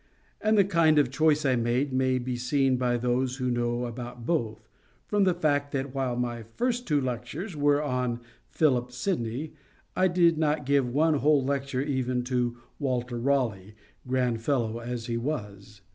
And the kind of choice I made may be seen by those who know about both, from the fact that, while my first two lectures were on Philip Sidney, I did not give one whole lecture even to Walter Raleigh, grand fellow as he was.